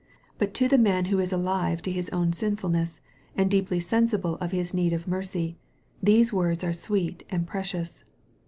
But to the man who is alive to his own sinfuluess and deeply sensible of his need of mercy, these words are sweet and precious.